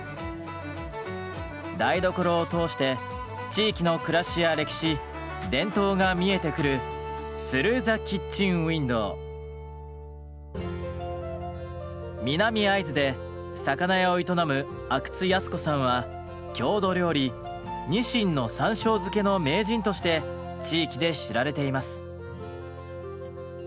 台所を通して地域の暮らしや歴史伝統が見えてくる南会津で魚屋を営む郷土料理「にしんの山しょう漬け」の名人として地域で知られています。